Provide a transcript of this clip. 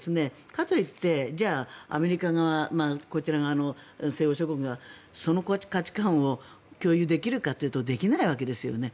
かといってアメリカ側こちら側の西欧諸国がその価値観を共有できるかというとできないわけですよね。